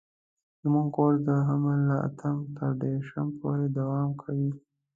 زموږ کورس د حمل له اتم تر دېرشم پورې دوام کوي.